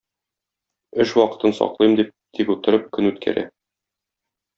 Эш вакытын саклыйм дип тик утырып көн үткәрә.